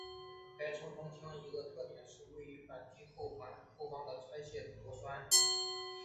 该冲锋枪的一个特点是位于扳机护环后方的拆卸螺栓。